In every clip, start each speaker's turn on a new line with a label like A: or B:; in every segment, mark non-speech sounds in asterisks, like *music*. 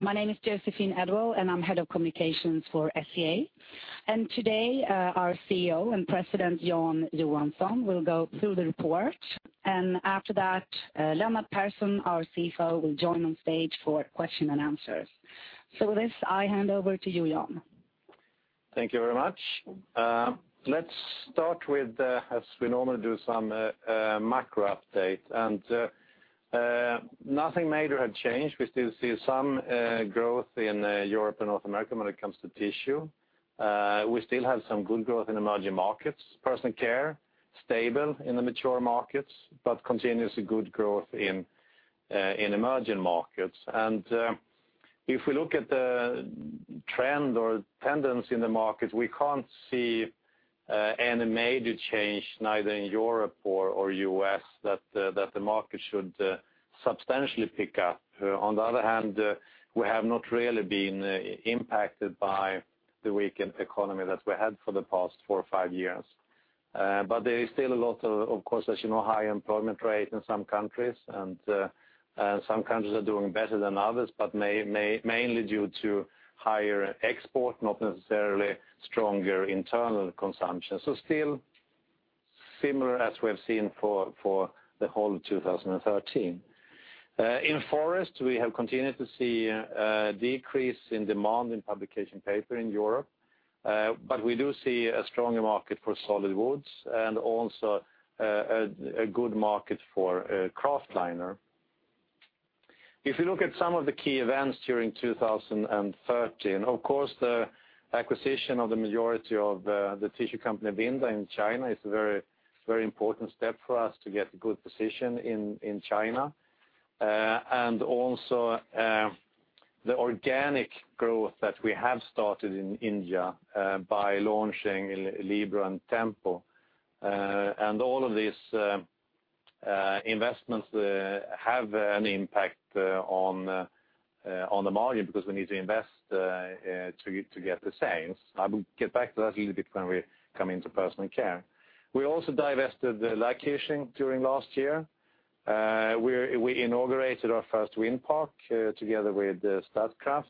A: My name is Joséphine Edwall, I'm Head of Communications for SCA. Today, our CEO and President, Jan Johansson, will go through the report. After that, Lennart Persson, our CFO, will join on stage for question and answers. With this, I hand over to you, Jan.
B: Thank you very much. Let's start with, as we normally do, some macro update. Nothing major had changed. We still see some growth in Europe and North America when it comes to tissue. We still have some good growth in emerging markets. Personal care, stable in the mature markets, but continuously good growth in emerging markets. If we look at the trend or tendency in the market, we can't see any major change, neither in Europe or U.S., that the market should substantially pick up. On the other hand, we have not really been impacted by the weakened economy that we had for the past four or five years. There is still a lot of course, as you know, high employment rate in some countries, some countries are doing better than others, but mainly due to higher export, not necessarily stronger internal consumption. Still similar as we have seen for the whole of 2013. In Forest, we have continued to see a decrease in demand in publication paper in Europe. We do see a stronger market for solid woods and also a good market for Kraftliner. If you look at some of the key events during 2013, of course, the acquisition of the majority of the tissue company Vinda in China is a very important step for us to get good position in China. Also the organic growth that we have started in India by launching Libero and Tempo. All of these investments have an impact on the margin because we need to invest to get the sales. I will get back to that a little bit when we come into Personal Care. We also divested Laakirchen during last year. We inaugurated our first wind park together with Statkraft,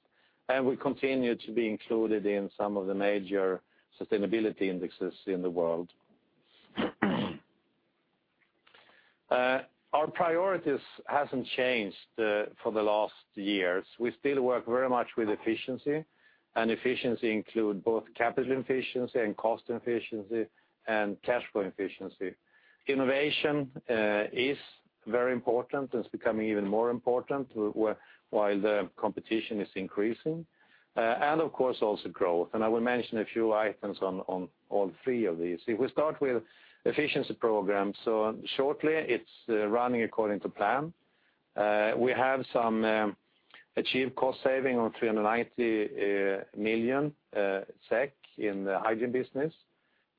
B: we continue to be included in some of the major sustainability indexes in the world. Our priorities hasn't changed for the last years. We still work very much with efficiency include both capital efficiency and cost efficiency and cash flow efficiency. Innovation is very important. It's becoming even more important while the competition is increasing. Of course, also growth. I will mention a few items on all three of these. If we start with efficiency program, shortly, it's running according to plan. We have some achieved cost saving of 390 million SEK in the hygiene business.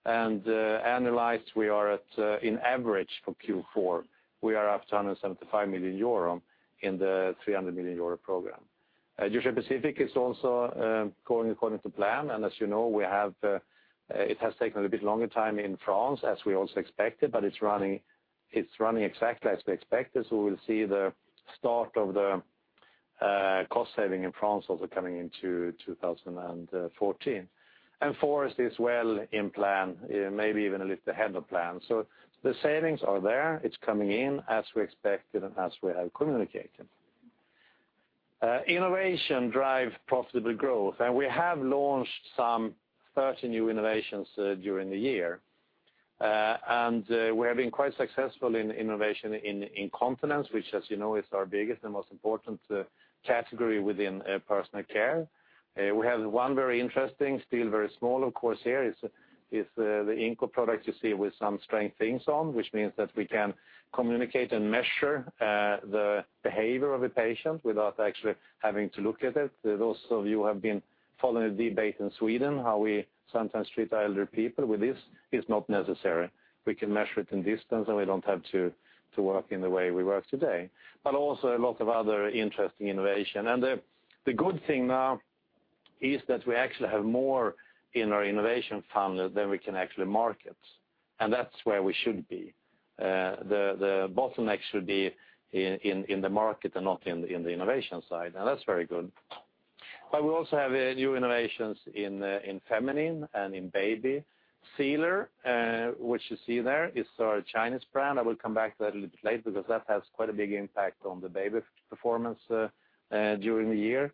B: Annualized, we are at, in average for Q4, we are at 275 million euro in the 300 million euro program. Georgia-Pacific is also going according to plan. As you know, it has taken a little bit longer time in France, as we also expected, but it's running exactly as we expected. We'll see the start of the cost saving in France also coming into 2014. Forest is well in plan, maybe even a little ahead of plan. The savings are there. It's coming in as we expected and as we have communicated. Innovation drive profitable growth, we have launched some 30 new innovations during the year. We have been quite successful in innovation in incontinence, which, as you know, is our biggest and most important category within Personal Care. We have one very interesting, still very small, of course, here is the Inco product you see with some strange things on, which means that we can communicate and measure the behavior of a patient without actually having to look at it. Those of you who have been following the debate in Sweden, how we sometimes treat our elder people with this is not necessary. We can measure it in distance, and we don't have to work in the way we work today. Also a lot of other interesting innovation. The good thing now is that we actually have more in our innovation funnel than we can actually market, and that's where we should be. The bottleneck should be in the market and not in the innovation side. That's very good. We also have new innovations in feminine and in baby. Sealer, which you see there, is our Chinese brand. I will come back to that a little bit later because that has quite a big impact on the baby performance during the year.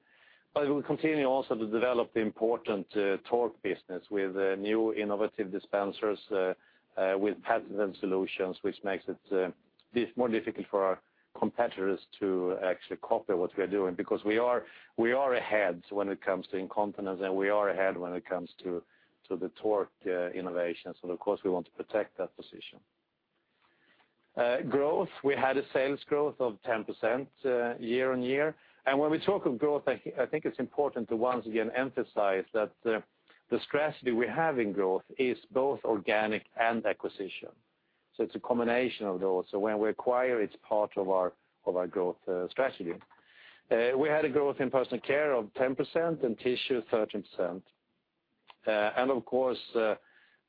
B: We will continue also to develop the important Tork business with new innovative dispensers, with patented solutions, which makes it more difficult for our competitors to actually copy what we are doing because we are ahead when it comes to incontinence, and we are ahead when it comes to the Tork innovations. Of course, we want to protect that position. Growth, we had a sales growth of 10% year-on-year. When we talk of growth, I think it's important to once again emphasize that the strategy we have in growth is both organic and acquisition. It's a combination of those. When we acquire, it's part of our growth strategy. We had a growth in Personal Care of 10% and Tissue, 13%. Of course,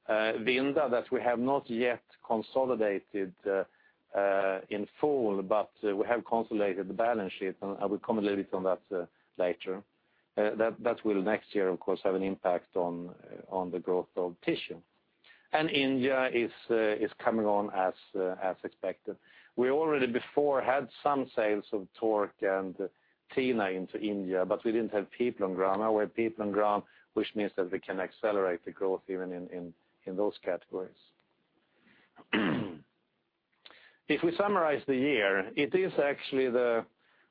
B: Vinda, that we have not yet consolidated in full, but we have consolidated the balance sheet, and I will comment a little bit on that later. That will next year, of course, have an impact on the growth of tissue. India is coming on as expected. We already before had some sales of Tork and TENA into India, but we didn't have people on ground. Now we have people on ground, which means that we can accelerate the growth even in those categories. If we summarize the year, it is actually the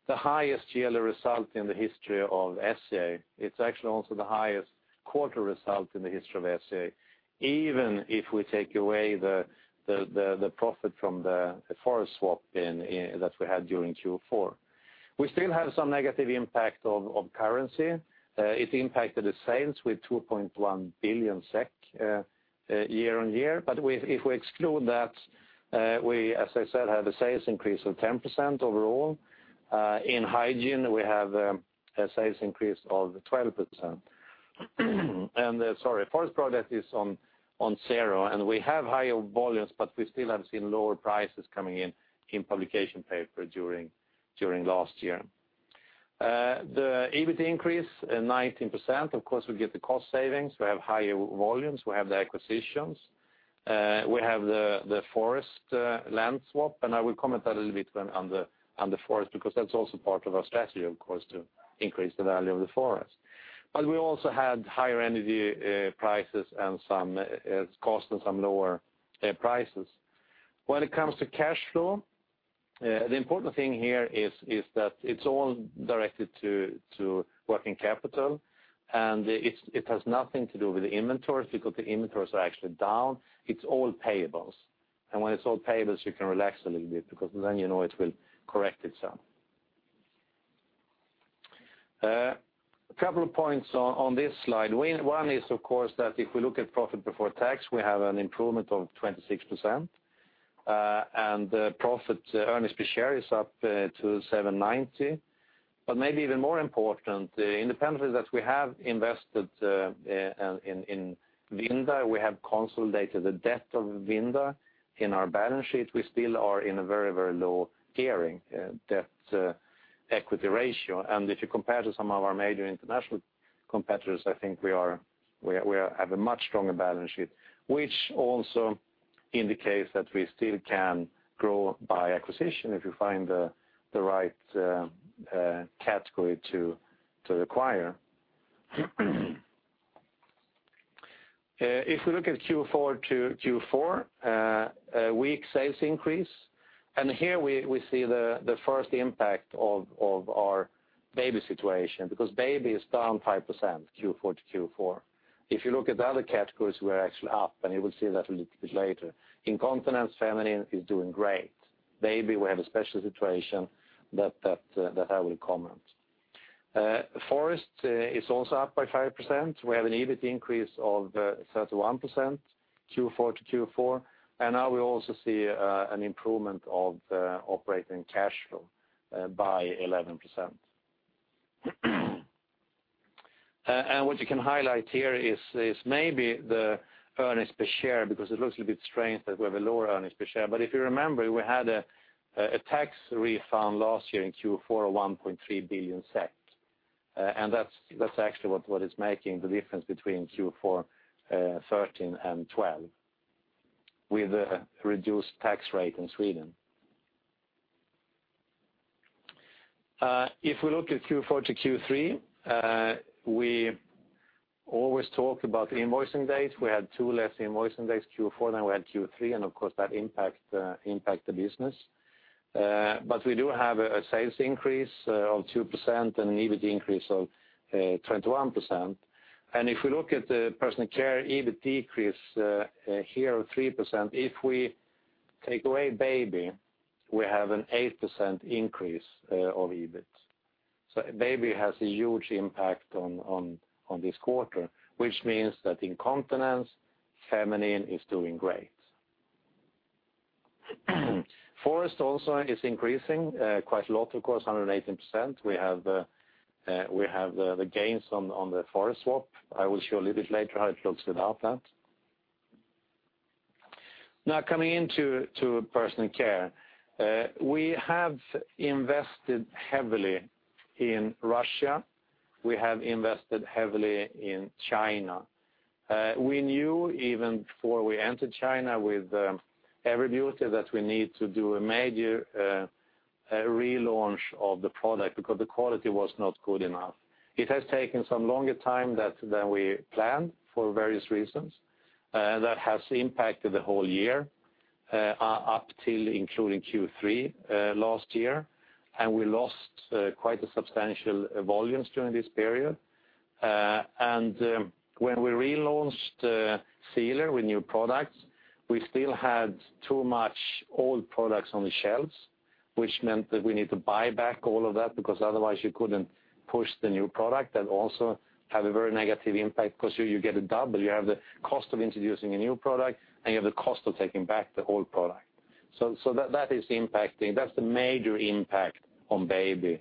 B: highest yearly result in the history of SCA. It's actually also the highest quarter result in the history of SCA, even if we take away the profit from the forest swap that we had during Q4. We still have some negative impact of currency. It impacted the sales with 2.1 billion SEK year-on-year. If we exclude that, we, as I said, have a sales increase of 10% overall. In hygiene, we have a sales increase of 12%. Sorry, forest product is on zero. We have higher volumes, but we still have seen lower prices coming in publication paper during last year. The EBIT increase 19%. Of course, we get the cost savings. We have higher volumes. We have the acquisitions. We have the forest land swap. I will comment a little bit on the forest, because that's also part of our strategy, of course, to increase the value of the forest. We also had higher energy prices and some cost and some lower prices. When it comes to cash flow, the important thing here is that it's all directed to working capital. It has nothing to do with the inventories, because the inventories are actually down. It's all payables. When it's all payables, you can relax a little bit, because then you know it will correct itself. A couple of points on this slide. One is, of course, that if we look at profit before tax, we have an improvement of 26%. Profit earnings per share is up to 790. Maybe even more important, independently that we have invested in Vinda, we have consolidated the debt of Vinda in our balance sheet. We still are in a very low gearing debt equity ratio. If you compare to some of our major international competitors, I think we have a much stronger balance sheet, which also indicates that we still can grow by acquisition if you find the right category to acquire. If we look at Q4 to Q4, a weak sales increase. Here we see the first impact of our baby situation, because baby is down 5% Q4 to Q4. If you look at the other categories, we're actually up. You will see that a little bit later. Incontinence feminine is doing great. Baby, we have a special situation that I will comment. Forest is also up by 5%. We have an EBIT increase of 31% Q4 to Q4. Now we also see an improvement of operating cash flow by 11%. What you can highlight here is maybe the earnings per share, because it looks a bit strange that we have a lower earnings per share. If you remember, we had a tax refund last year in Q4 of 1.3 billion SEK. That's actually what is making the difference between Q4 2013 and 2012, with a reduced tax rate in Sweden. If we look at Q4 to Q3, we always talk about invoicing days. We had two less invoicing days Q4 than we had Q3, and of course, that impact the business. We do have a sales increase of 2%. An EBIT increase of 21%. If we look at the Personal Care EBIT decrease here of 3%, if we take away baby, we have an 8% increase of EBIT. Baby has a huge impact on this quarter, which means that incontinence feminine is doing great. Forest also is increasing quite a lot, of course, 118%. We have the gains on the forest swap. I will show a little bit later how it looks without that. Coming into Personal Care. We have invested heavily in Russia. We have invested heavily in China. We knew even before we entered China with Everbeauty that we need to do a major relaunch of the product because the quality was not good enough. It has taken some longer time than we planned for various reasons. That has impacted the whole year up till including Q3 last year, and we lost quite substantial volumes during this period. When we relaunched Sealer with new products, we still had too much old products on the shelves, which meant that we need to buy back all of that, because otherwise you couldn't push the new product. That also had a very negative impact because you get a double. You have the cost of introducing a new product, and you have the cost of taking back the old product. That is impacting. That's the major impact on baby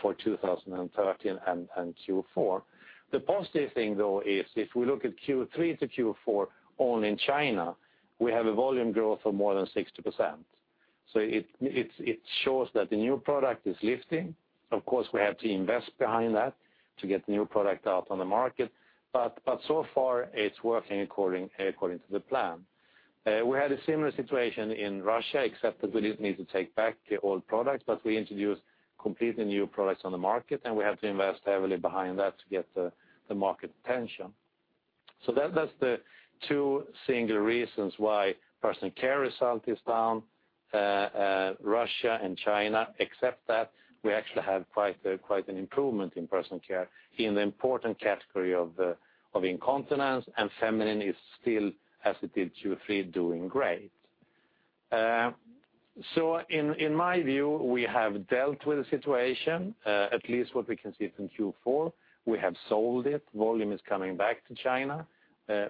B: for 2013 and Q4. The positive thing, though, is if we look at Q3 to Q4, only in China, we have a volume growth of more than 60%. It shows that the new product is lifting. Of course, we have to invest behind that to get new product out on the market. So far, it's working according to the plan. We had a similar situation in Russia, except that we didn't need to take back the old product, but we introduced completely new products on the market, and we have to invest heavily behind that to get the market attention. That's the two single reasons why Personal Care result is down, Russia and China. Except that we actually have quite an improvement in personal care in the important category of incontinence, and feminine is still, as it did Q3, doing great. In my view, we have dealt with the situation, at least what we can see from Q4. We have sold it. Volume is coming back to China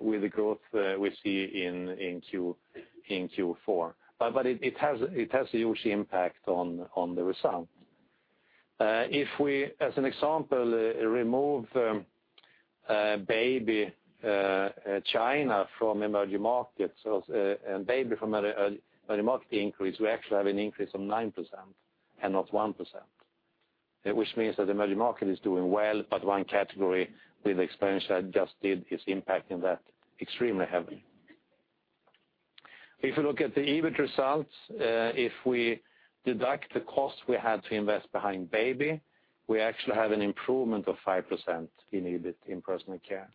B: with the growth we see in Q4. It has a huge impact on the result. If we, as an example, remove baby China from Emerging Markets, and baby from Emerging Market increase, we actually have an increase of 9% and not 1%, which means that Emerging Market is doing well, but one category with expansion adjusted is impacting that extremely heavily. If you look at the EBIT results, if we deduct the cost we had to invest behind baby, we actually have an improvement of 5% in EBIT in Personal Care.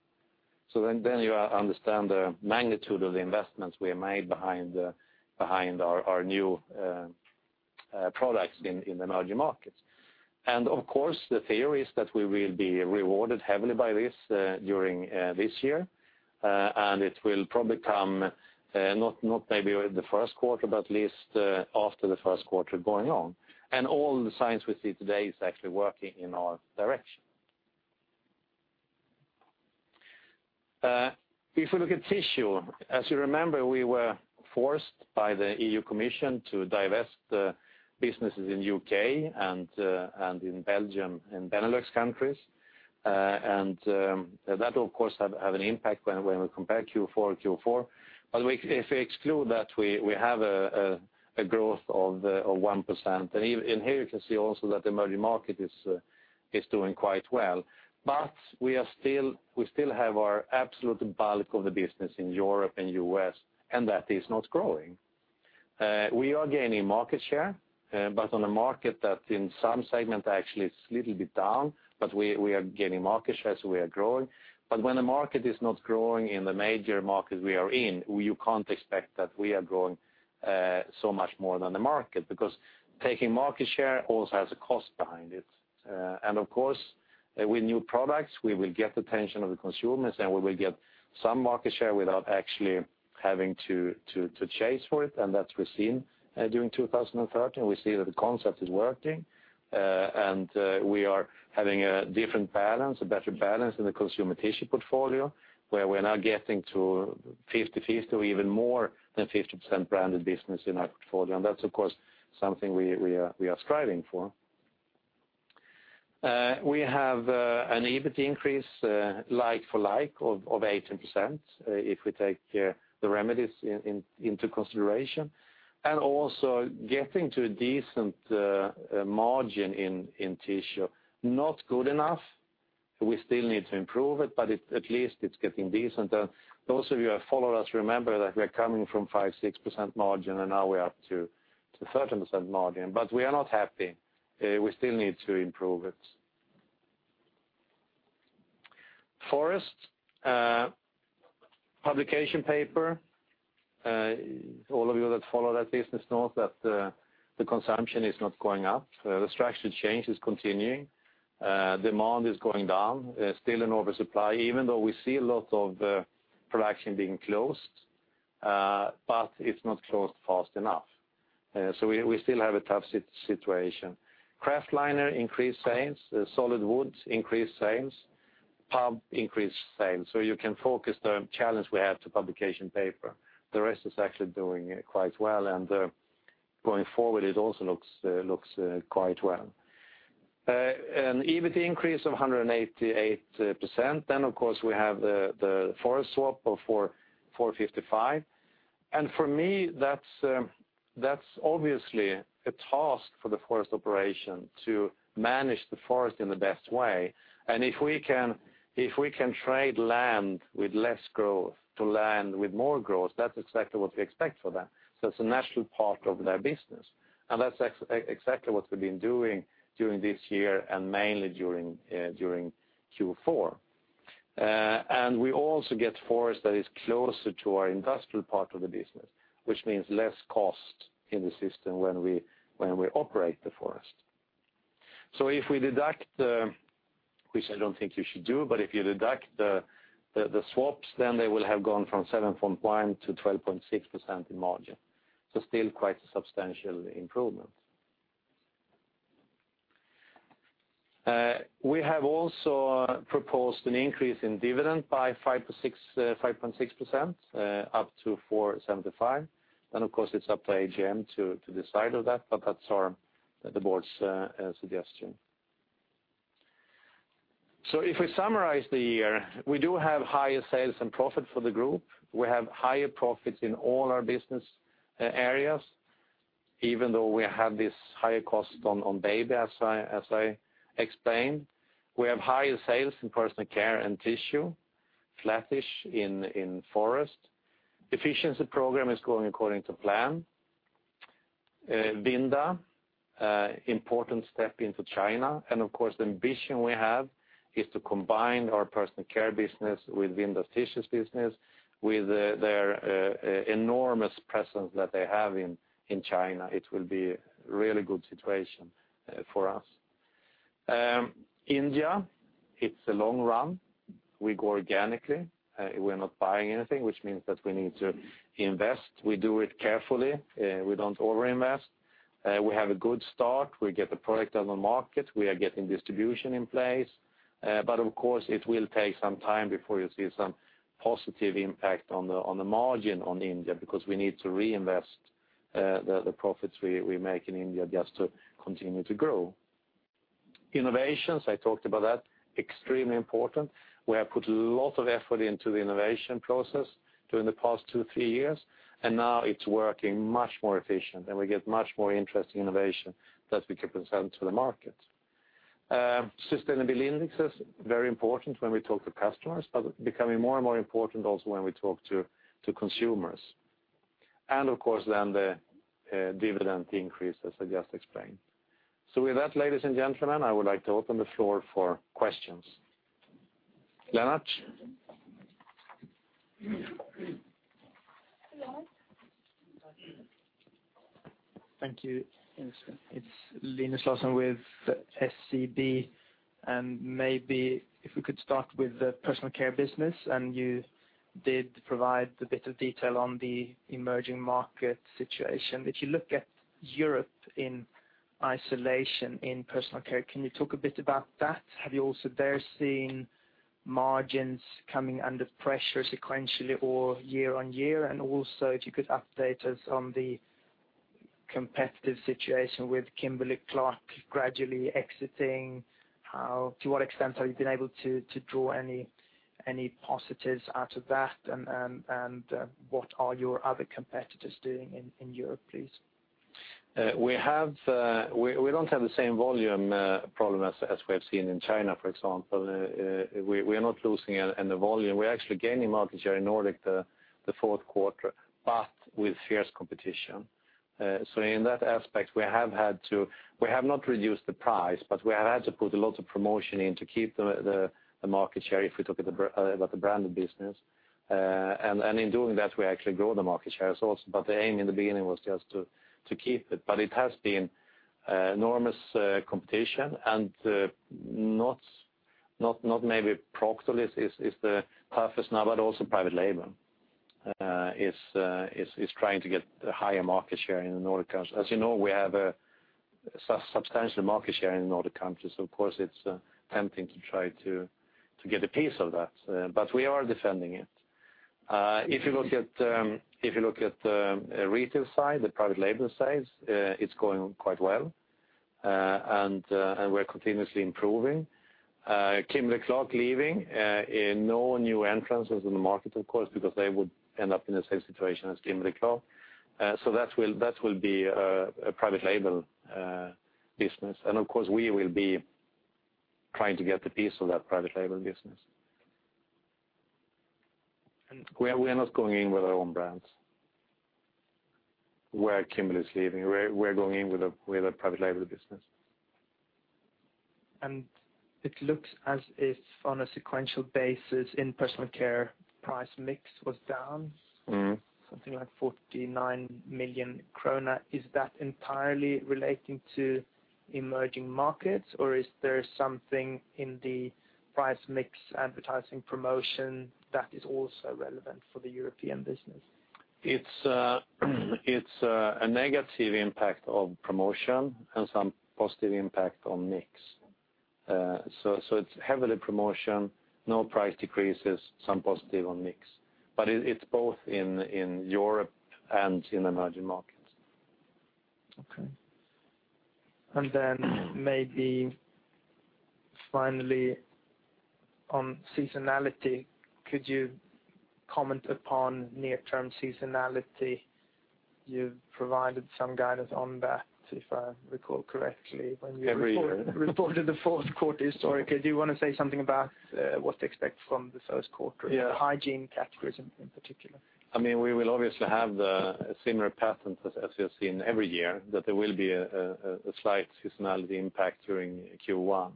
B: You understand the magnitude of the investments we have made behind our new products in Emerging Markets. Of course, the theory is that we will be rewarded heavily by this during this year, and it will probably come not maybe the first quarter, but at least after the first quarter going on. All the signs we see today is actually working in our direction. If we look at tissue, as you remember, we were forced by the European Commission to divest businesses in U.K. and in Belgium and Benelux countries. That, of course, have an impact when we compare Q4 to Q4. If we exclude that, we have a growth of 1%. Here you can see also that emerging market is doing quite well. We still have our absolute bulk of the business in Europe and U.S., and that is not growing. We are gaining market share, but on a market that in some segment actually is little bit down, but we are gaining market share, so we are growing. When the market is not growing in the major markets we are in, you can't expect that we are growing so much more than the market because taking market share also has a cost behind it. Of course, with new products, we will get the attention of the consumers, and we will get some market share without actually having to chase for it, and that we've seen during 2013. We see that the concept is working, and we are having a different balance, a better balance in the consumer tissue portfolio, where we're now getting to 50/50, even more than 50% branded business in our portfolio. That's, of course, something we are striving for. We have an EBIT increase like-for-like of 18% if we take the remedies into consideration, and also getting to a decent margin in tissue. Not good enough. We still need to improve it, but at least it's getting decent. Those of you who have followed us remember that we are coming from 5%, 6% margin, and now we're up to 13% margin. We are not happy. We still need to improve it. Forest. Publication paper. All of you that follow that business know that the consumption is not going up. The structure change is continuing. Demand is going down. Still an oversupply, even though we see a lot of production being closed, but it's not closed fast enough. We still have a tough situation. Kraftliner increased sales, solid woods increased sales, pulp increased sales. You can focus the challenge we have to publication paper. The rest is actually doing quite well, and going forward, it also looks quite well. An EBIT increase of 188%. Of course, we have the forest swap of 455. For me, that's obviously a task for the forest operation to manage the forest in the best way. If we can trade land with less growth to land with more growth, that's exactly what we expect for that. It's a natural part of their business, and that's exactly what we've been doing during this year and mainly during Q4. We also get forest that is closer to our industrial part of the business, which means less cost in the system when we operate the forest. If we deduct, which I don't think you should do, but if you deduct the swaps, then they will have gone from 7.1% to 12.6% in margin. Still quite a substantial improvement. We have also proposed an increase in dividend by 5.6%, up to 4.75. Of course, it's up to AGM to decide on that, but that's the board's suggestion. If we summarize the year, we do have higher sales and profit for the group. We have higher profits in all our business areas, even though we have this higher cost on baby, as I explained. We have higher sales in Personal Care and Tissue, flattish in Forest. Efficiency program is going according to plan. Vinda, important step into China, and of course, the ambition we have is to combine our Personal Care business with Vinda Tissue's business, with their enormous presence that they have in China. It will be a really good situation for us. India, it is a long run. We go organically. We are not buying anything, which means that we need to invest. We do it carefully. We do not over-invest. We have a good start. We get the product on the market. We are getting distribution in place. Of course, it will take some time before you see some positive impact on the margin on India, because we need to reinvest the profits we make in India just to continue to grow. Innovations, I talked about that, extremely important. We have put a lot of effort into the innovation process during the past two, three years. Now it is working much more efficient, and we get much more interesting innovation that we can present to the market. Sustainability index is very important when we talk to customers, becoming more and more important also when we talk to consumers. Of course, then the dividend increase, as I just explained. With that, ladies and gentlemen, I would like to open the floor for questions. Lennart?
C: Thank you. It is Linus Larsson with SEB. Maybe if we could start with the Personal Care business, and you did provide a bit of detail on the emerging market situation. If you look at Europe in isolation in Personal Care, can you talk a bit about that? Have you also there seen margins coming under pressure sequentially or year-over-year? Also, if you could update us on the competitive situation with Kimberly-Clark gradually exiting, to what extent have you been able to draw any positives out of that, and what are your other competitors doing in Europe, please?
B: We do not have the same volume problem as we have seen in China, for example. We are not losing any volume. We are actually gaining market share in Nordic the fourth quarter, with fierce competition. In that aspect, we have not reduced the price, but we have had to put a lot of promotion in to keep the market share, if we talk about the branded business. In doing that, we actually grow the market share as well. The aim in the beginning was just to keep it. It has been enormous competition, and not maybe Procter is the toughest now, but also private label is trying to get a higher market share in the Nordic countries. As you know, we have a substantial market share in the Nordic countries, of course, it is tempting to try to get a piece of that. We are defending it. If you look at the retail side, the private label side, it's going quite well, and we're continuously improving. Kimberly-Clark leaving, no new entrants in the market, of course, because they would end up in the same situation as Kimberly-Clark. That will be a private label business. Of course, we will be trying to get a piece of that private label business. We're not going in with our own brands where Kimberly is leaving. We're going in with a private label business.
C: It looks as if on a sequential basis in Personal Care, price mix was down. Something like 49 million krona. Is that entirely relating to emerging markets, or is there something in the price mix advertising promotion that is also relevant for the European business?
B: It's a negative impact of promotion and some positive impact on mix. It's heavily promotion, no price decreases, some positive on mix. It's both in Europe and in emerging markets.
C: Okay. Maybe finally, on seasonality, could you comment upon near-term seasonality? You provided some guidance on that, if I recall correctly, when
B: Every year
C: reported the fourth quarter historically. Do you want to say something about what to expect from the first quarter
B: Yeah
C: hygiene categories in particular?
B: We will obviously have the similar pattern as we have seen every year, that there will be a slight seasonality impact during Q1.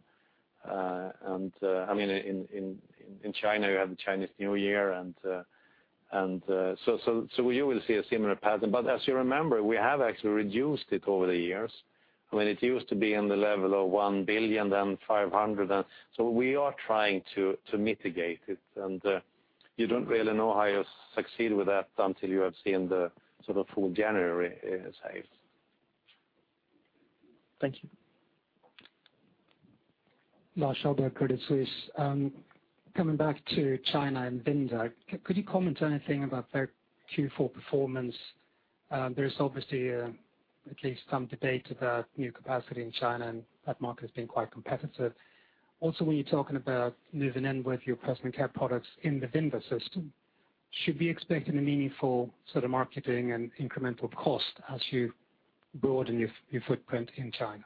B: In China, you have the Chinese New Year, you will see a similar pattern. As you remember, we have actually reduced it over the years. It used to be in the level of 1 billion, then 500 million, we are trying to mitigate it, you don't really know how you succeed with that until you have seen the full January sales.
C: Thank you.
D: Lars, Credit Suisse. Coming back to China and Vinda. Could you comment anything about their Q4 performance? There is obviously at least some debate about new capacity in China, that market has been quite competitive. When you're talking about moving in with your personal care products in the Vinda system, should we expect any meaningful sort of marketing and incremental cost as you broaden your footprint in China?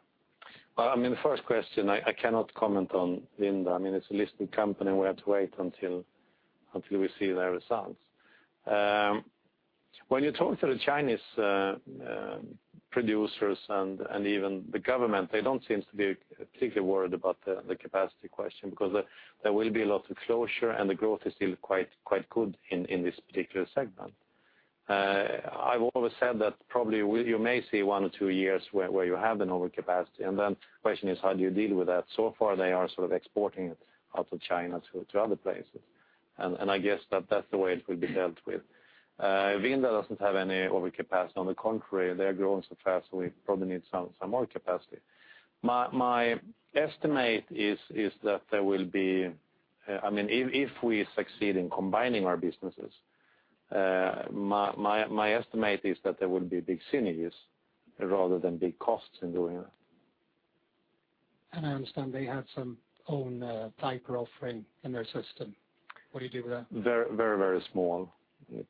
B: Well, the first question, I cannot comment on Vinda. It's a listed company, we have to wait until we see their results. When you talk to the Chinese producers and even the government, they don't seem to be particularly worried about the capacity question because there will be a lot of closure, the growth is still quite good in this particular segment. I've always said that probably you may see one or two years where you have an overcapacity, then the question is, how do you deal with that? So far, they are sort of exporting it out of China to other places, I guess that that's the way it will be dealt with. Vinda doesn't have any overcapacity. On the contrary, they are growing so fast we probably need some more capacity. If we succeed in combining our businesses, my estimate is that there will be big synergies rather than big costs in doing that.
D: I understand they have some own diaper offering in their system. What do you do with that?
B: Very small.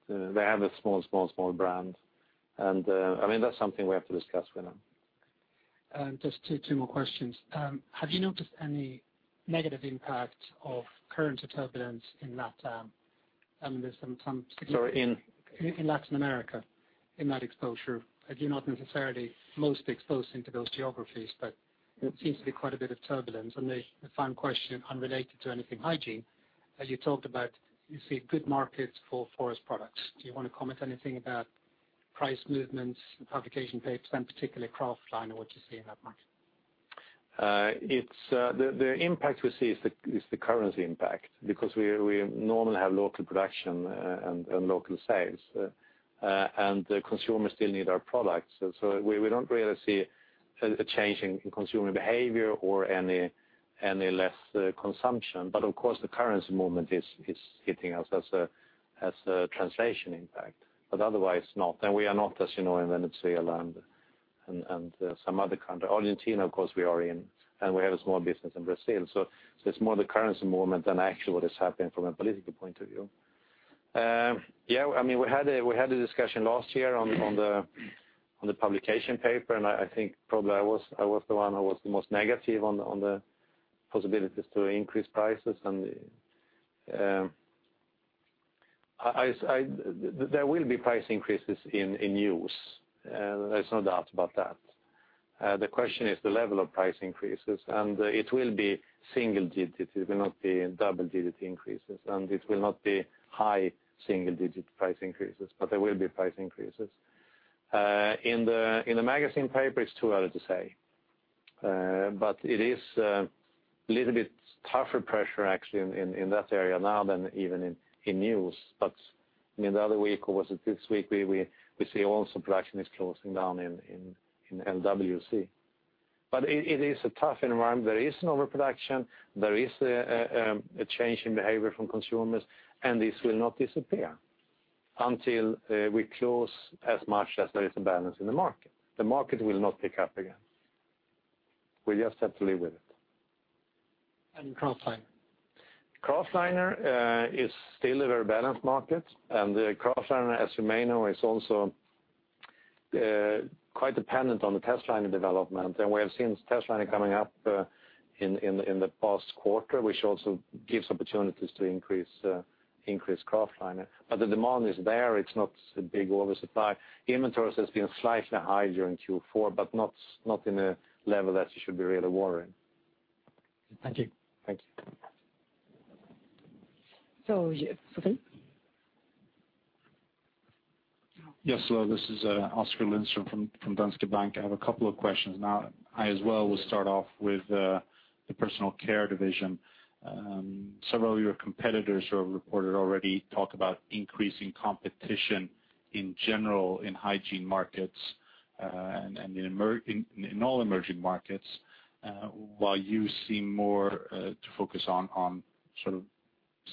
B: They have a small brand, and that's something we have to discuss with them.
D: Just two more questions. Have you noticed any negative impact of current turbulence in LATAM?
B: Sorry, in?
D: In Latin America, in that exposure. You're not necessarily most exposed into those geographies, but there seems to be quite a bit of turbulence. A final question unrelated to anything hygiene, as you talked about, you see good markets for forest products. Do you want to comment anything about price movements in publication papers, and particularly kraftliner, what you see in that market?
B: The impact we see is the currency impact because we normally have local production and local sales, and the consumers still need our products. We don't really see a change in consumer behavior or any less consumption. Of course, the currency movement is hitting us as a translation impact, but otherwise not. We are not, as you know, in Venezuela and some other country. Argentina, of course, we are in, and we have a small business in Brazil, so it's more the currency movement than actually what is happening from a political point of view. We had a discussion last year on the publication paper, and I think probably I was the one who was the most negative on the possibilities to increase prices. There will be price increases in news, there's no doubt about that. The question is the level of price increases, it will be single digits. It will not be double-digit increases, and it will not be high single-digit price increases, but there will be price increases. In the magazine paper, it's too early to say. It is a little bit tougher pressure actually in that area now than even in news. The other week, or was it this week, we see also production is closing down in LWC. It is a tough environment. There is an overproduction. There is a change in behavior from consumers, this will not disappear until we close as much as there is a balance in the market. The market will not pick up again. We just have to live with it.
D: Kraftliner?
B: Kraftliner is still a very balanced market, and kraftliner, as you may know, is also quite dependent on the test liner development. We have seen test liner coming up in the past quarter, which also gives opportunities to increase kraftliner. The demand is there. It's not a big oversupply. Inventories has been slightly higher during Q4, but not in a level that you should be really worrying.
D: Thank you.
B: Thanks.
A: Sophie?
E: Yes. Hello, this is Oskar Lindström from Danske Bank. I have a couple of questions. I as well will start off with the personal care division. Several of your competitors who have reported already talk about increasing competition in general in hygiene markets, and in all emerging markets, while you seem more to focus on sort of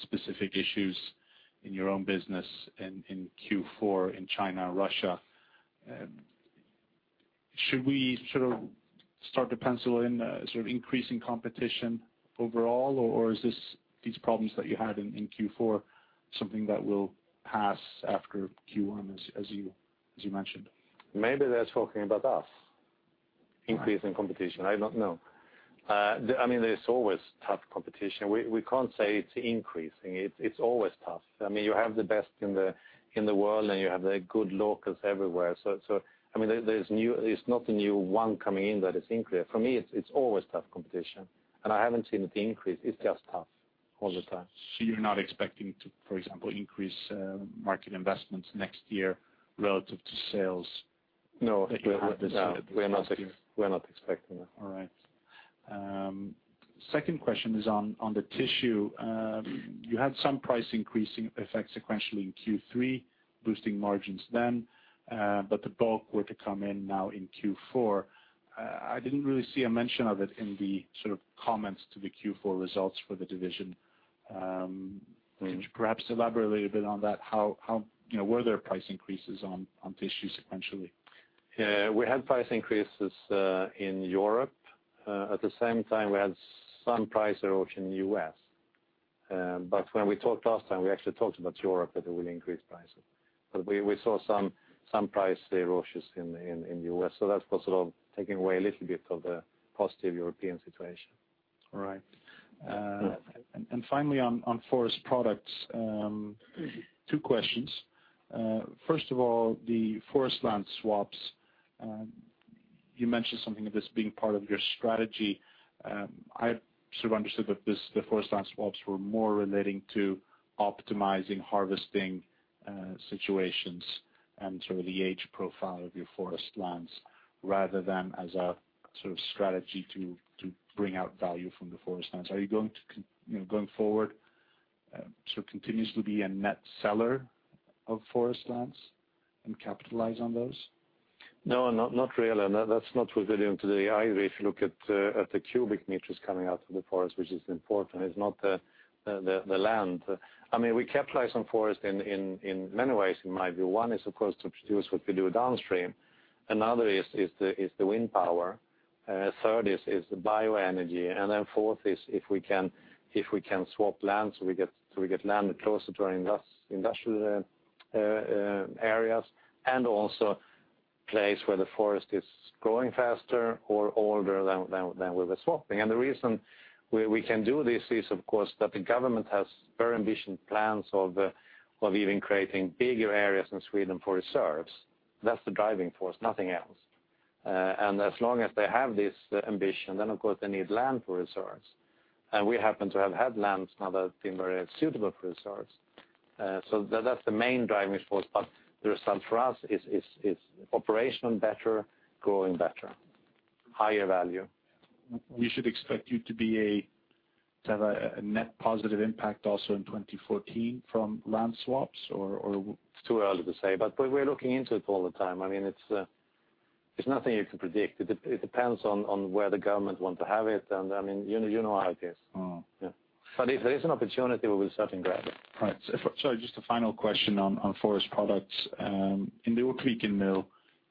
E: specific issues in your own business in Q4 in China, Russia. Should we sort of start to pencil in increasing competition overall, or is these problems that you had in Q4 something that will pass after Q1 as you mentioned?
B: Maybe they're talking about us.
E: All right.
B: increasing competition. I don't know. There's always tough competition. We can't say it's increasing. It's always tough. You have the best in the world, and you have the good locals everywhere. It's not a new one coming in that is increasing. For me, it's always tough competition, and I haven't seen it increase. It's just tough all the time.
E: You're not expecting to, for example, increase market investments next year relative to sales-
B: No
E: that you had this year, this past year?
B: We're not expecting that.
E: All right. Second question is on the tissue. You had some price increasing effect sequentially in Q3, boosting margins then, but the bulk were to come in now in Q4. I didn't really see a mention of it in the comments to the Q4 results for the division.
B: Right.
E: Could you perhaps elaborate a little bit on that? Were there price increases on tissue sequentially?
B: Yeah. We had price increases in Europe. At the same time, we had some price erosion in the U.S. When we talked last time, we actually talked about Europe that we will increase prices. We saw some price erosions in the U.S., that was sort of taking away a little bit of the positive European situation.
E: All right.
B: Yeah.
E: Finally, on forest products, two questions. First of all, the forest land swaps. You mentioned something of this being part of your strategy. I sort of understood that the forest land swaps were more relating to optimizing harvesting situations and the age profile of your forest lands, rather than as a strategy to bring out value from the forest lands. Are you going forward continuously be a net seller of forest lands and capitalize on those?
B: No, not really. That's not what we're doing today either. If you look at the cubic meters coming out of the forest, which is important, it's not the land. We capitalize on forest in many ways, in my view. One is, of course, to produce what we do downstream. Another is the wind power. Third is the bioenergy. Fourth is if we can swap land, so we get land closer to our industrial areas, and also place where the forest is growing faster or older than where we're swapping. The reason we can do this is, of course, that the government has very ambitious plans of even creating bigger areas in Sweden for reserves. That's the driving force, nothing else. As long as they have this ambition, then of course, they need land for reserves. We happen to have had lands now that have been very suitable for reserves. That's the main driving force, but the result for us is operational better, growing better, higher value.
E: We should expect you to have a net positive impact also in 2014 from land swaps.
B: It's too early to say, but we're looking into it all the time. It's nothing you can predict. It depends on where the government want to have it, you know how it is. Yeah. If there is an opportunity, we will certainly grab it.
E: Right. Sorry, just a final question on forest products. In the Ortviken mill,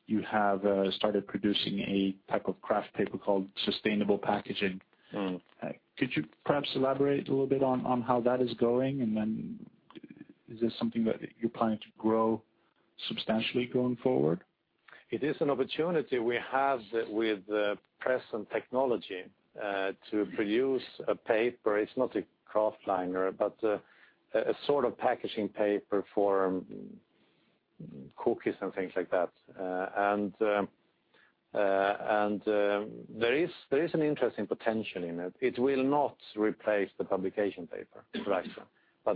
E: you have started producing a type of kraft paper called sustainable packaging. Could you perhaps elaborate a little bit on how that is going, and then is this something that you're planning to grow substantially going forward?
B: It is an opportunity we have with present technology to produce a paper. It's not a kraftliner, but a sort of packaging paper for cookies and things like that. There is an interesting potential in it. It will not replace the publication paper, right.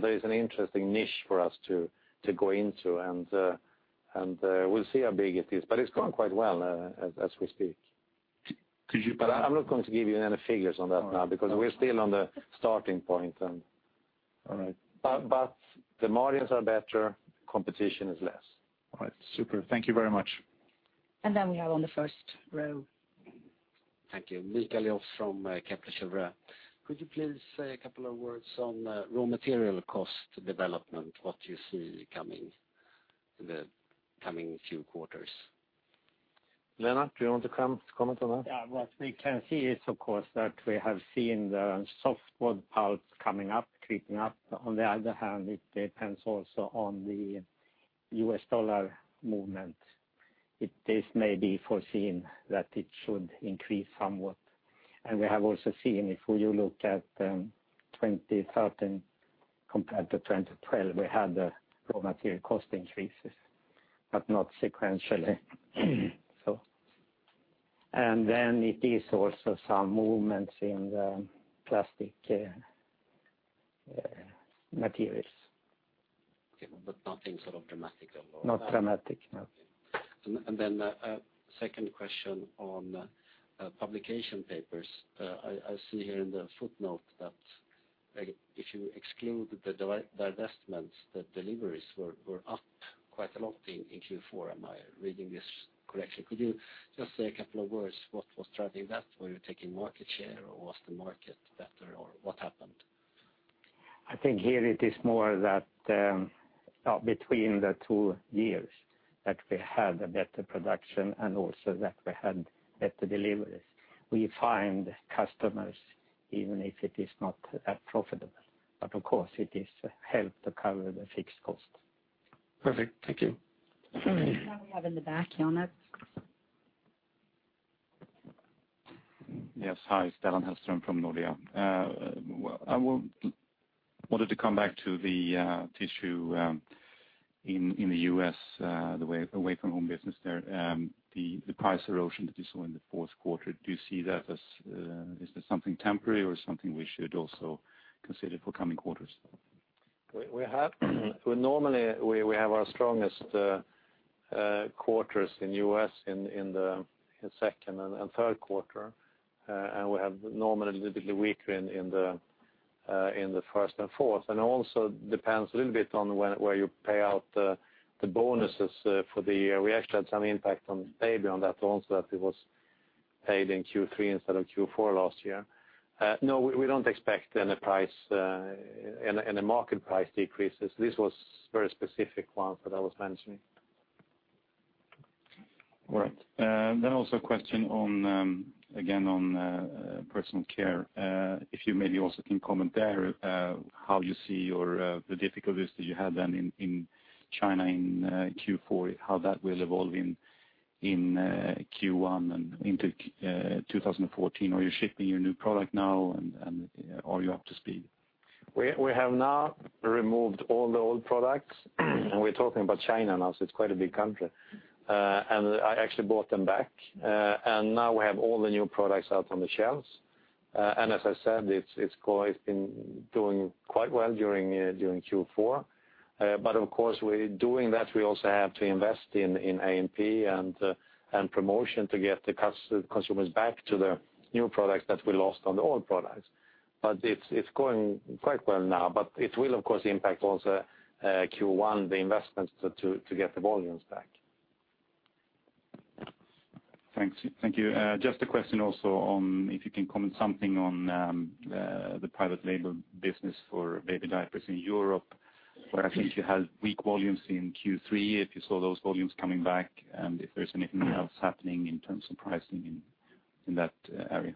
B: There is an interesting niche for us to go into, and we'll see how big it is. It's going quite well as we speak.
E: Could you
B: I'm not going to give you any figures on that now, because we're still on the starting point.
E: All right.
B: The margins are better. Competition is less.
E: All right. Super. Thank you very much.
A: Then we have on the first row.
F: Thank you. Mikael Jåfs from Kepler Cheuvreux. Could you please say a couple of words on raw material cost development, what you see in the coming few quarters?
B: Lennart, do you want to comment on that?
G: Yeah. What we can see is, of course, that we have seen the soft wood pulp coming up, creeping up. On the other hand, it depends also on the US dollar movement. It is maybe foreseen that it should increase somewhat. We have also seen, if you look at 2013 compared to 2012, we had raw material cost increases, but not sequentially. Then it is also some movements in the plastic materials.
F: Okay. Nothing sort of dramatic.
G: Not dramatic, no.
F: Then a second question on publication papers. I see here in the footnote that if you exclude the divestments, the deliveries were up quite a lot in Q4. Am I reading this correctly? Could you just say a couple of words what was driving that? Were you taking market share, or was the market better, or what happened?
G: I think here it is more that between the two years that we had a better production, and also that we had better deliveries. We find customers, even if it is not profitable. Of course, it helps to cover the fixed cost.
F: Perfect. Thank you.
A: Now we have in the back, [Janek].
H: Yes. Hi. Stellan Hellström from Nordea. I wanted to come back to the tissue in the U.S., the away from home business there. The price erosion that you saw in the fourth quarter, is this something temporary, or something we should also consider for coming quarters?
B: We have. Normally, we have our strongest quarters in U.S. in the second and third quarter. We have normally a little bit weaker in the first and fourth. Also depends a little bit on where you pay out the bonuses for the year. We actually had some impact on pay beyond that also, that it was paid in Q3 instead of Q4 last year. No, we don't expect any price, any market price decreases. This was very specific one that I was mentioning.
H: All right. Also a question, again, on personal care. If you maybe also can comment there, how you see the difficulties that you had then in China in Q4, how that will evolve in Q1 and into 2014. Are you shipping your new product now, and are you up to speed?
B: We have now removed all the old products, and we're talking about China now, so it's quite a big country. I actually bought them back. Now we have all the new products out on the shelves. As I said, it's been doing quite well during Q4. Of course, doing that, we also have to invest in A&P and promotion to get the consumers back to the new products that we lost on the old products. It's going quite well now. It will, of course, impact also Q1, the investments to get the volumes back.
H: Thanks. Thank you. Just a question also on if you can comment something on the private label business for baby diapers in Europe, where I think you had weak volumes in Q3, if you saw those volumes coming back, and if there's anything else happening in terms of pricing in that area.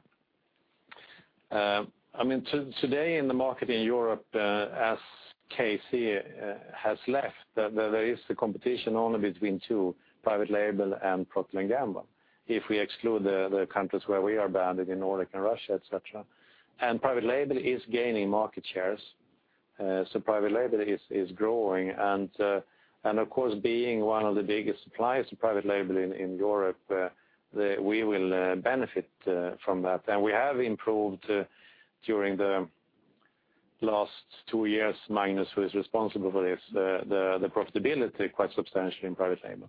B: Today in the market in Europe, as KC has left, there is the competition only between two: private label and Procter & Gamble. If we exclude the countries where we are banned in Nordic and Russia, et cetera. Private label is gaining market shares. Private label is growing. Of course, being one of the biggest suppliers of private label in Europe, we will benefit from that. We have improved during the last two years, Magnus, who is responsible for this, the profitability quite substantially in private label.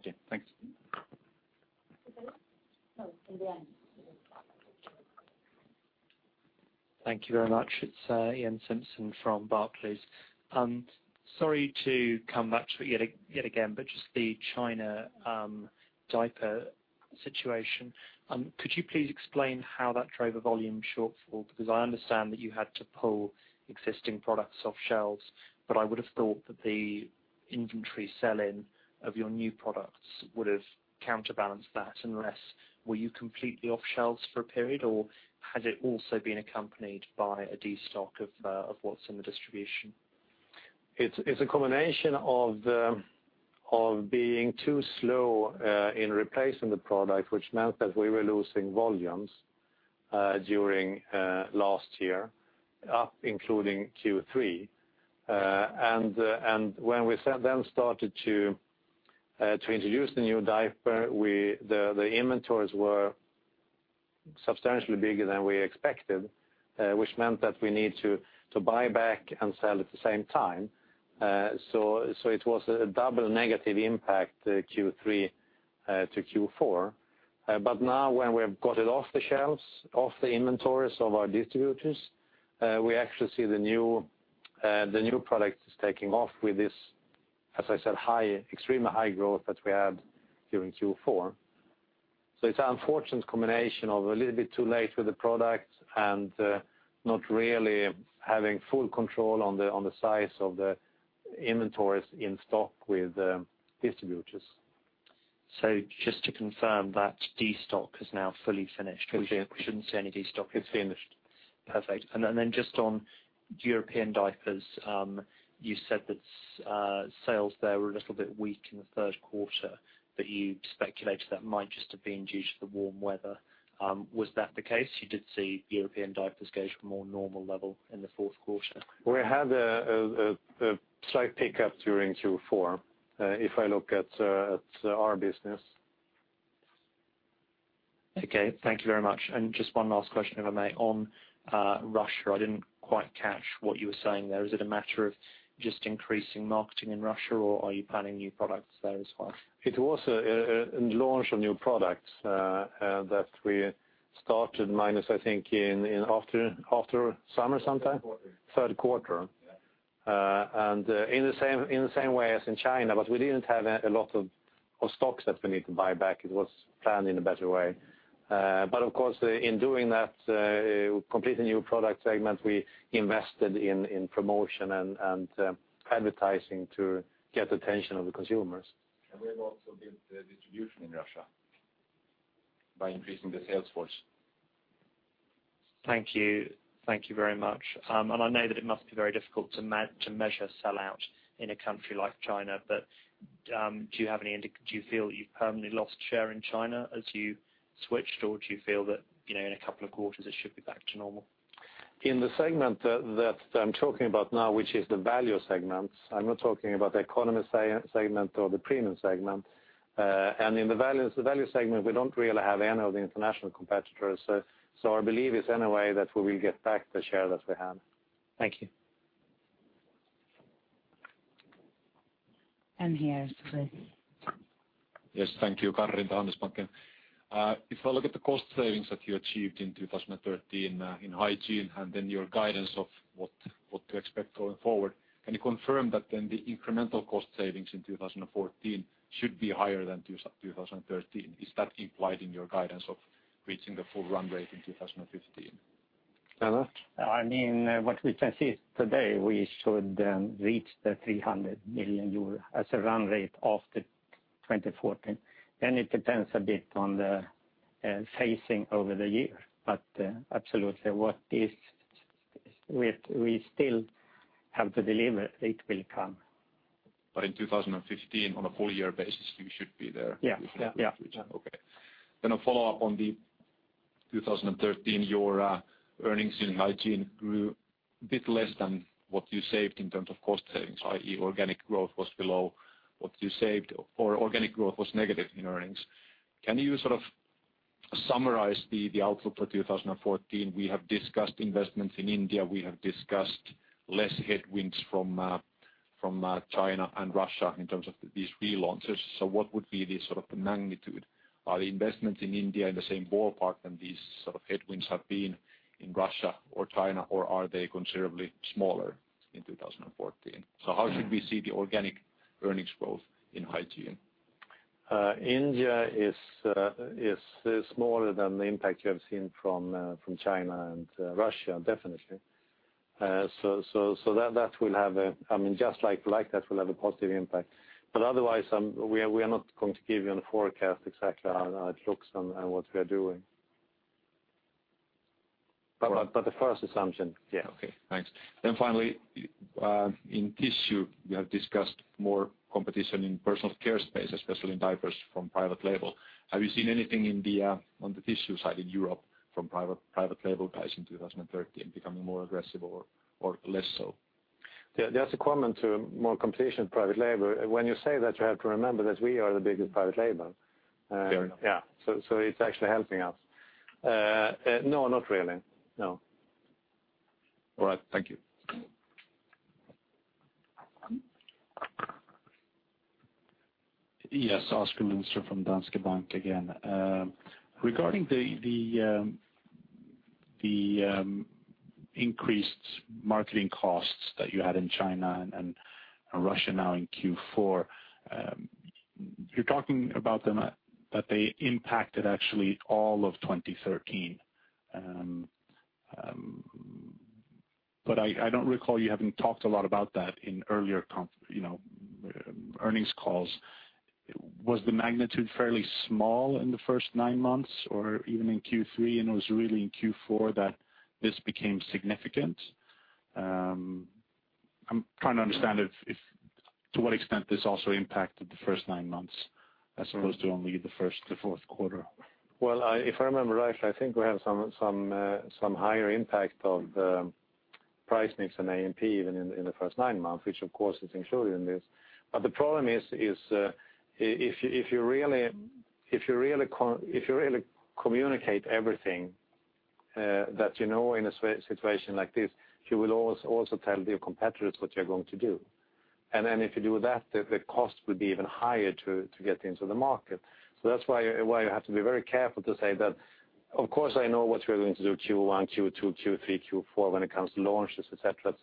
H: Okay, thanks.
I: Thank you very much. It's Iain Simpson from Barclays. Sorry to come back to it yet again, just the China diaper situation. Could you please explain how that drove a volume shortfall? Because I understand that you had to pull existing products off shelves, but I would have thought that the inventory sell-in of your new products would have counterbalanced that unless were you completely off shelves for a period, or had it also been accompanied by a de-stock of what's in the distribution?
B: It's a combination of being too slow in replacing the product, which meant that we were losing volumes during last year, up including Q3. When we then started to introduce the new diaper, the inventories were substantially bigger than we expected, which meant that we need to buy back and sell at the same time. It was a double negative impact Q3 to Q4. Now when we have got it off the shelves, off the inventories of our distributors, we actually see the new product is taking off with this, as I said, extremely high growth that we had during Q4. It's an unfortunate combination of a little bit too late with the product, and not really having full control on the size of the inventories in stock with distributors.
I: just to confirm, that de-stock is now fully finished.
B: Finished.
I: We shouldn't see any de-stocking.
B: It's finished.
I: Perfect. just on European diapers, you said that sales there were a little bit weak in the third quarter, but you speculated that might just have been due to the warm weather. Was that the case? You did see European diapers go to a more normal level in the fourth quarter.
B: We had a slight pickup during Q4, if I look at our business.
I: Okay, thank you very much. Just one last question, if I may. On Russia, I didn't quite catch what you were saying there. Is it a matter of just increasing marketing in Russia, or are you planning new products there as well?
B: It was a launch of new products that we started, Magnus, I think in after summer sometime?
J: Third quarter. Third quarter. Yeah.
B: In the same way as in China, we didn't have a lot of stocks that we need to buy back. It was planned in a better way. Of course, in doing that completely new product segment, we invested in promotion and advertising to get attention of the consumers.
J: We have also built the distribution in Russia by increasing the sales force.
I: Thank you. Thank you very much. I know that it must be very difficult to measure sell-out in a country like China. Do you feel that you've permanently lost share in China as you switched, or do you feel that in a couple of quarters, it should be back to normal?
B: In the segment that I'm talking about now, which is the value segment, I'm not talking about the economy segment or the premium segment. In the value segment, we don't really have any of the international competitors. I believe it's anyway that we will get back the share that we had.
I: Thank you.
A: Here is. *inaudible*
K: Yes. Thank you, Karri Rinta. Handelsbanken. If I look at the cost savings that you achieved in 2013 in hygiene, your guidance of what to expect going forward, can you confirm that the incremental cost savings in 2014 should be higher than 2013? Is that implied in your guidance of reaching the full run rate in 2015?
B: Lennart?
G: What we can see today, we should reach the 300 million euro as a run rate after 2014. It depends a bit on the phasing over the year. Absolutely, what we still have to deliver, it will come.
K: In 2015, on a full year basis, you should be there?
G: Yes.
K: Okay. A follow-up on the 2013, your earnings in hygiene grew a bit less than what you saved in terms of cost savings, i.e. organic growth was below what you saved, or organic growth was negative in earnings. Can you summarize the outlook for 2014? We have discussed investments in India, we have discussed less headwinds from China and Russia in terms of these relaunches. What would be the magnitude? Are the investments in India in the same ballpark than these sort of headwinds have been in Russia or China, or are they considerably smaller in 2014? How should we see the organic earnings growth in hygiene?
B: India is smaller than the impact you have seen from China and Russia, definitely. Just like that will have a positive impact. Otherwise, we are not going to give you any forecast exactly how it looks and what we are doing.
G: The first assumption, yes.
K: Okay, thanks. Finally, in tissue, you have discussed more competition in personal care space, especially in diapers from private label. Have you seen anything on the tissue side in Europe from private label guys in 2013 becoming more aggressive or less so?
B: Just a comment to more competition private label. When you say that, you have to remember that we are the biggest private label.
K: Fair enough.
B: Yeah. It's actually helping us. No, not really, no.
K: All right. Thank you.
E: Yes. Oskar Lindström from Danske Bank again. Regarding the increased marketing costs that you had in China and Russia now in Q4, you're talking about them that they impacted actually all of 2013. I don't recall you having talked a lot about that in earlier earnings calls. Was the magnitude fairly small in the first nine months or even in Q3, and it was really in Q4 that this became significant? I'm trying to understand to what extent this also impacted the first nine months as opposed to only the first to fourth quarter.
B: Well, if I remember right, I think we have some higher impact of price mix and A&P even in the first nine months, which of course is included in this. The problem is, if you really communicate everything that you know in a situation like this, you will also tell your competitors what you're going to do. If you do that, the cost would be even higher to get into the market. That's why you have to be very careful to say that, of course, I know what we're going to do Q1, Q2, Q3, Q4, when it comes to launches, et cetera.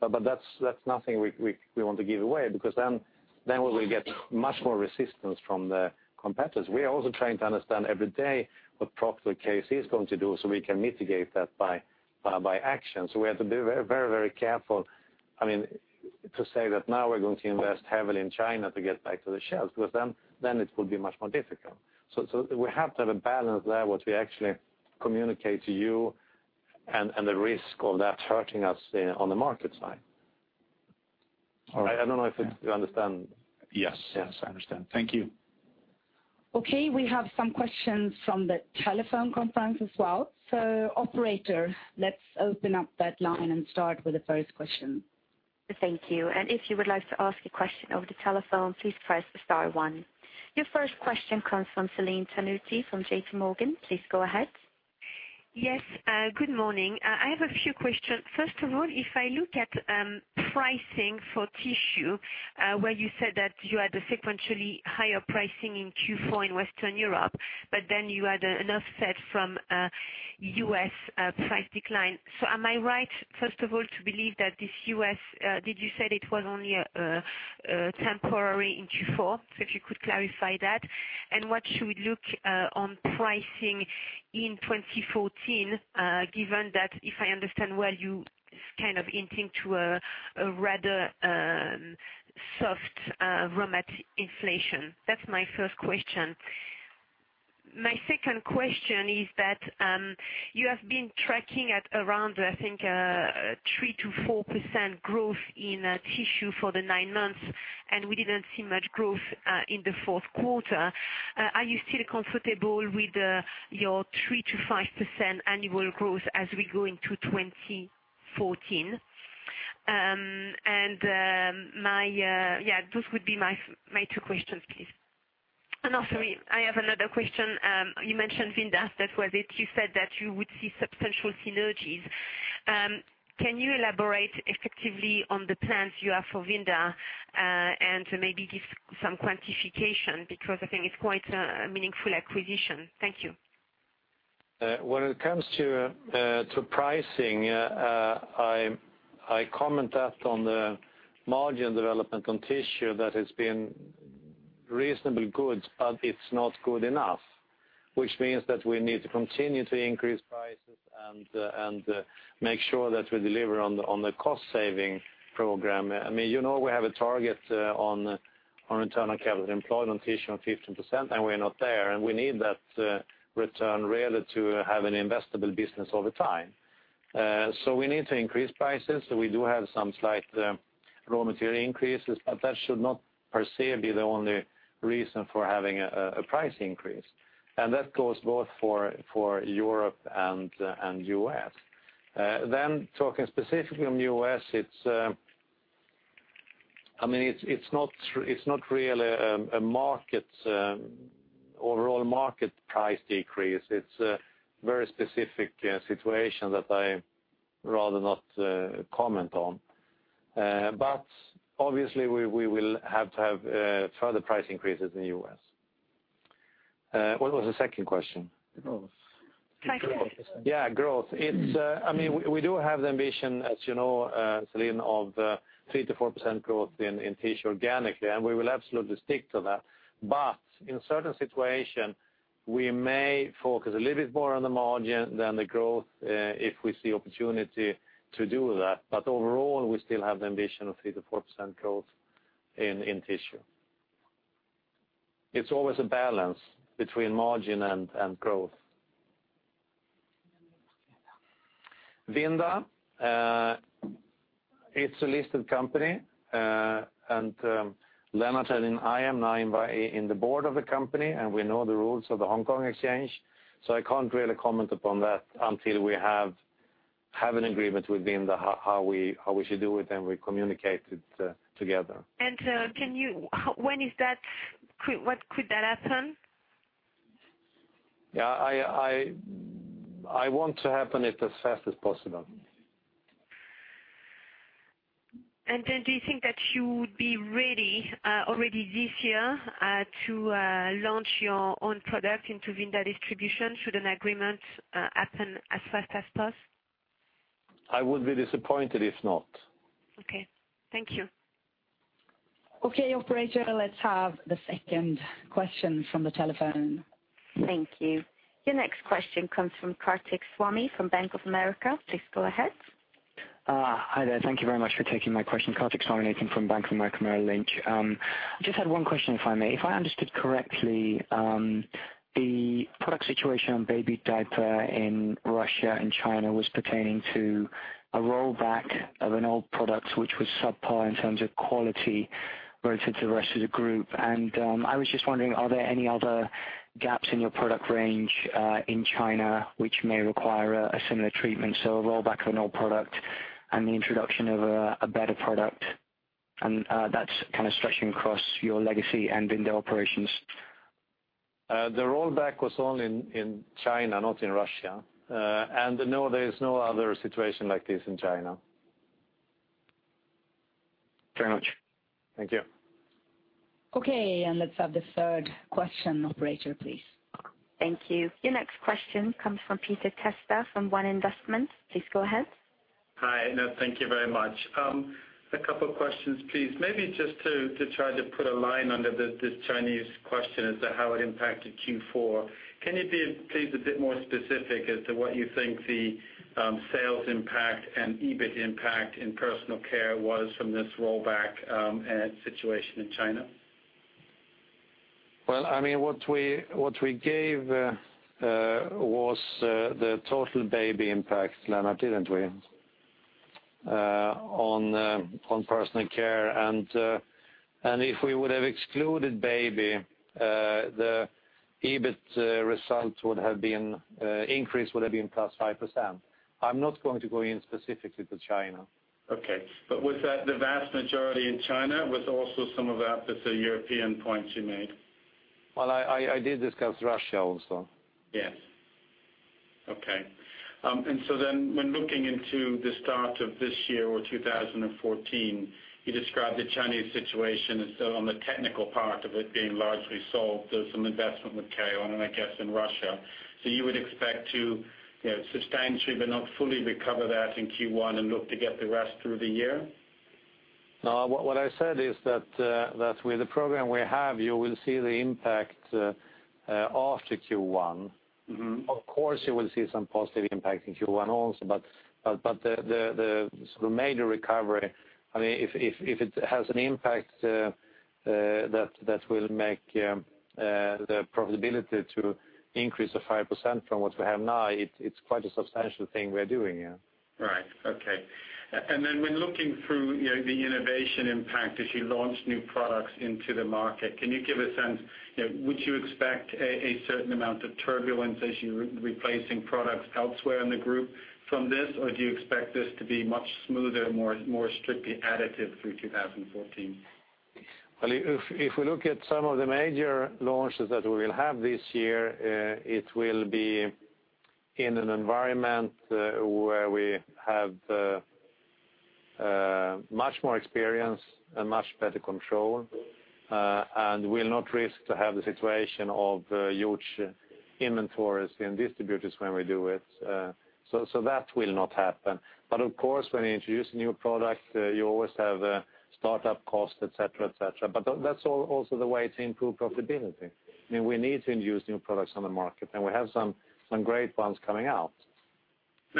B: That's nothing we want to give away because then we will get much more resistance from the competitors. We are also trying to understand every day what Procter & KC is going to do so we can mitigate that by action. We have to be very careful to say that now we're going to invest heavily in China to get back to the shelves, because then it will be much more difficult. We have to have a balance there, what we actually communicate to you and the risk of that hurting us on the market side.
E: All right.
B: I don't know if you understand.
E: Yes. I understand. Thank you.
A: Okay. We have some questions from the telephone conference as well. Operator, let's open up that line and start with the first question.
L: Thank you. If you would like to ask a question over the telephone, please press star one. Your first question comes from Celine Pannuti from J.P. Morgan. Please go ahead.
M: Yes. Good morning. I have a few questions. First of all, if I look at pricing for tissue, where you said that you had a sequentially higher pricing in Q4 in Western Europe, but then you had an offset from U.S. price decline. Am I right, first of all, to believe that this U.S., did you said it was only temporary in Q4? If you could clarify that, and what should we look on pricing in 2014, given that if I understand well, you kind of hinting to a rather soft raw mat inflation? That's my first question. My second question is that you have been tracking at around, I think, 3%-4% growth in tissue for the nine months, and we didn't see much growth in the fourth quarter. Are you still comfortable with your 3%-5% annual growth as we go into 2014? Those would be my two questions, please. Also, I have another question. You mentioned Vinda. That was it. You said that you would see substantial synergies. Can you elaborate effectively on the plans you have for Vinda, and maybe give some quantification? I think it's quite a meaningful acquisition. Thank you.
B: When it comes to pricing, I comment that on the margin development on tissue, that has been reasonably good, but it's not good enough, which means that we need to continue to increase prices and make sure that we deliver on the cost-saving program. You know we have a target on return on capital employed on tissue of 15%, and we're not there, and we need that return really to have an investable business over time. We need to increase prices, so we do have some slight raw material increases, but that should not per se be the only reason for having a price increase. That goes both for Europe and U.S. Talking specifically on U.S., it's not really an overall market price decrease. It's a very specific situation that I rather not comment on. Obviously, we will have to have further price increases in the U.S. What was the second question?
M: Growth.
B: Yeah, growth. We do have the ambition, as you know, Celine, of 3% to 4% growth in tissue organically, and we will absolutely stick to that. In certain situation, we may focus a little bit more on the margin than the growth, if we see opportunity to do that. Overall, we still have the ambition of 3% to 4% growth in tissue. It's always a balance between margin and growth. Vinda, it's a listed company, and Lennart and I am now in the board of the company, and we know the rules of the Hong Kong Exchange, so I can't really comment upon that until we have an agreement with Vinda how we should do it, and we communicate it together.
M: When could that happen?
B: I want to happen it as fast as possible.
M: Do you think that you would be ready already this year to launch your own product into Vinda distribution should an agreement happen as fast as poss?
B: I would be disappointed if not.
M: Okay. Thank you.
A: Okay, operator, let's have the second question from the telephone.
L: Thank you. Your next question comes from Kartik Swami from Bank of America. Please go ahead.
N: Hi there. Thank you very much for taking my question. Kartik Swami, again, from Bank of America Merrill Lynch. Just had one question, if I may. If I understood correctly, the product situation on baby diaper in Russia and China was pertaining to a rollback of an old product which was subpar in terms of quality relative to the rest of the group. I was just wondering, are there any other gaps in your product range in China which may require a similar treatment, so a rollback of an old product and the introduction of a better product, that's kind of stretching across your legacy and Vinda operations?
B: The rollback was only in China, not in Russia. No, there is no other situation like this in China.
N: Thank you very much.
B: Thank you.
A: Okay, let's have the third question, operator, please.
L: Thank you. Your next question comes from Peter Testa from One Investments. Please go ahead.
O: Hi. Thank you very much. A couple questions, please. Maybe just to try to put a line under this Chinese question as to how it impacted Q4. Can you be, please, a bit more specific as to what you think the sales impact and EBIT impact in personal care was from this rollback situation in China?
B: Well, what we gave was the total baby impact, Lennart, didn't we? On personal care, if we would have excluded baby, the EBIT results increase would have been plus 5%. I'm not going to go in specifically to China.
O: Okay. Was that the vast majority in China, was also some of that the European points you made?
B: Well, I did discuss Russia also.
O: Yes. Okay. When looking into the start of this year or 2014, you described the Chinese situation as though on the technical part of it being largely solved. There's some investment with [currencies], and I guess in Russia. You would expect to substantially but not fully recover that in Q1 and look to get the rest through the year?
B: No, what I said is that with the program we have, you will see the impact after Q1. Of course, you will see some positive impact in Q1 also, but the sort of major recovery, if it has an impact that will make the profitability to increase to 5% from what we have now, it's quite a substantial thing we are doing, yeah.
O: Right. Okay. When looking through the innovation impact as you launch new products into the market, can you give a sense, would you expect a certain amount of turbulence as you're replacing products elsewhere in the group from this? Do you expect this to be much smoother, more strictly additive through 2014?
B: If we look at some of the major launches that we will have this year, it will be in an environment where we have much more experience and much better control, and we'll not risk to have the situation of huge inventories in distributors when we do it. That will not happen. Of course, when you introduce new products, you always have startup costs, et cetera. That's also the way to improve profitability. We need to introduce new products on the market, and we have some great ones coming out.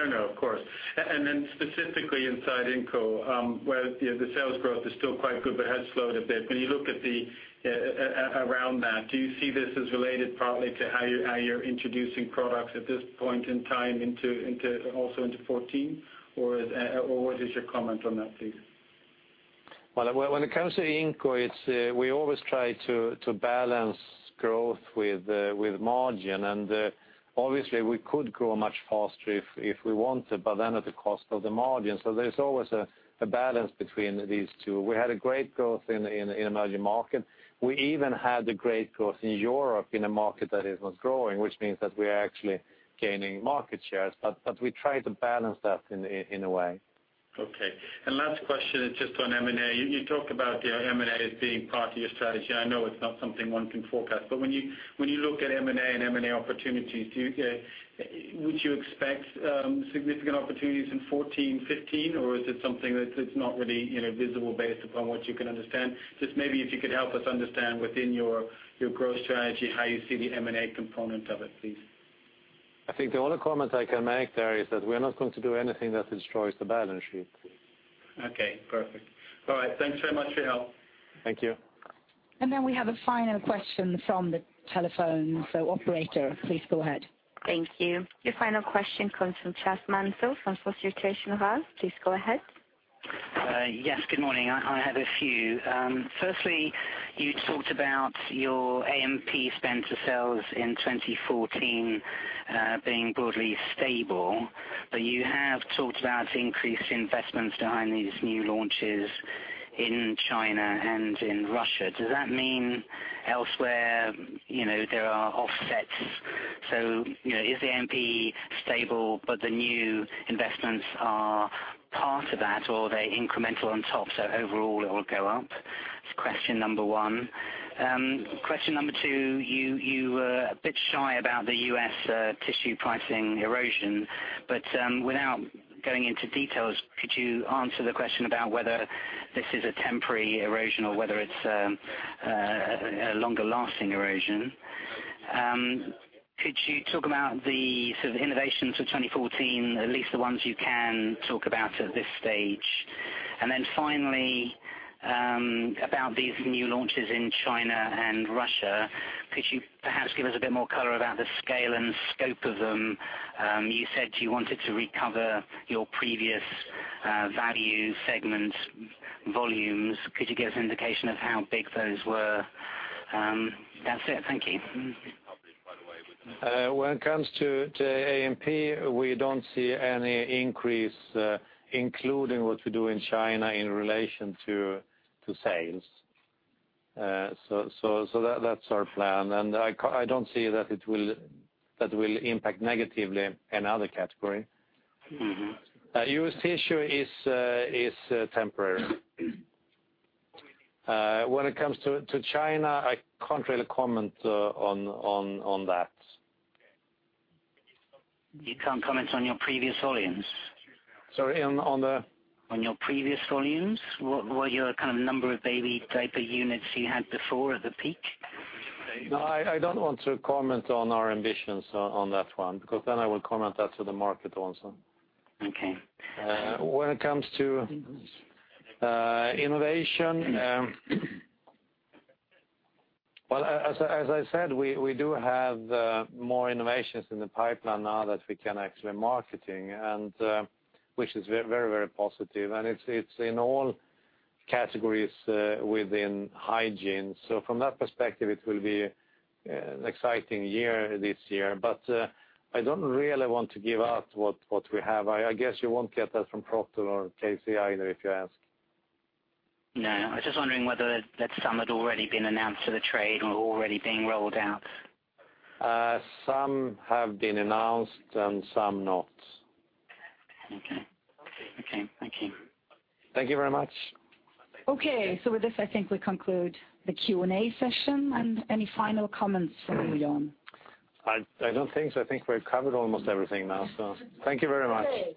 O: No, of course. Then specifically inside Inco, where the sales growth is still quite good but has slowed a bit. When you look around that, do you see this as related partly to how you're introducing products at this point in time into also into 2014, or what is your comment on that, please?
B: Well, when it comes to Inco, we always try to balance growth with margin, and obviously, we could grow much faster if we wanted, but then at the cost of the margin. There's always a balance between these two. We had a great growth in emerging markets. We even had a great growth in Europe in a market that is not growing, which means that we are actually gaining market shares. We try to balance that in a way.
O: Okay. Last question is just on M&A. You talked about M&A as being part of your strategy. I know it's not something one can forecast, but when you look at M&A and M&A opportunities, would you expect significant opportunities in 2014, 2015, or is it something that's not really visible based upon what you can understand? Just maybe if you could help us understand within your growth strategy, how you see the M&A component of it, please.
B: I think the only comment I can make there is that we're not going to do anything that destroys the balance sheet.
O: Okay, perfect. All right, thanks very much for your help.
B: Thank you.
A: We have a final question from the telephone. Operator, please go ahead.
L: Thank you. Your final question comes from Chas Manso from Société Générale. Please go ahead.
P: Yes, good morning. I have a few. Firstly, you talked about your A&P spend to sales in 2014 being broadly stable. You have talked about increased investments behind these new launches in China and in Russia. Does that mean elsewhere there are offsets? Is the A&P stable but the new investments are part of that or are they incremental on top, so overall it will go up? That's question number one. Question number two, you were a bit shy about the U.S. tissue pricing erosion. Without going into details, could you answer the question about whether this is a temporary erosion or whether it's a longer-lasting erosion? Could you talk about the sort of innovations for 2014, at least the ones you can talk about at this stage? Finally, about these new launches in China and Russia, could you perhaps give us a bit more color about the scale and scope of them? You said you wanted to recover your previous value segment volumes. Could you give us an indication of how big those were? That's it. Thank you.
B: When it comes to A&P, we don't see any increase, including what we do in China in relation to sales. That's our plan. I don't see that it will impact negatively another category. U.S. tissue is temporary. When it comes to China, I can't really comment on that.
P: You can't comment on your previous volumes?
B: Sorry, on the?
P: On your previous volumes? What your kind of number of baby diaper units you had before at the peak?
B: I don't want to comment on our ambitions on that one, because then I will comment that to the market also.
P: Okay.
B: When it comes to innovation, well, as I said, we do have more innovations in the pipeline now that we can actually market, which is very positive. It's in all categories within hygiene. From that perspective, it will be an exciting year this year. I don't really want to give out what we have. I guess you won't get that from Procter or KC if you ask.
P: I was just wondering whether some had already been announced to the trade or already been rolled out.
B: Some have been announced and some not.
P: Okay. Thank you.
B: Thank you very much.
A: Okay, with this, I think we conclude the Q&A session. Any final comments from you, Jan?
B: I don't think so. I think we've covered almost everything now. Thank you very much.